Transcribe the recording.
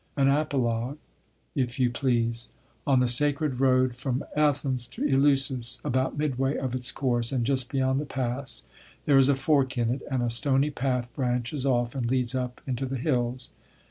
An apologue, if you please. On the sacred road from Athens to Eleusis, about midway of its course, and just beyond the pass, there is a fork in it, and a stony path branches off and leads up into the hills.